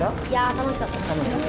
楽しかったです。